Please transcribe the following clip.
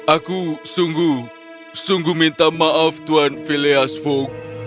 aku sungguh sungguh minta maaf tuan phileas fogg